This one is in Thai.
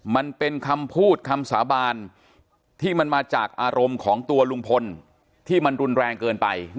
มันเป็นคำพูดคำสาบานที่มันมาจากอารมณ์ของตัวลุงพลที่มันรุนแรงเกินไป